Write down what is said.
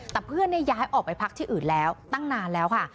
แต่เพื่อนย้ายออกไปพักที่อื่นแล้วตั้งนานแล้วค่ะ